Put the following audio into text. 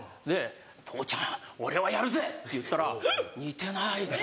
「父ちゃん俺はやるぜ！」って言ったら「似てない」。